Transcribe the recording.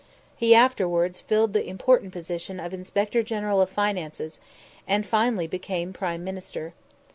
He afterwards filled the important position of Inspector General of Finances, and finally became Prime Minister.